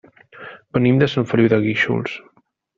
Venim de Sant Feliu de Guíxols.